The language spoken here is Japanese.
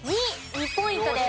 ２ポイントです。